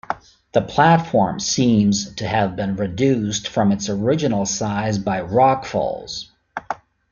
The platform seems to have been reduced from its original size by rockfalls.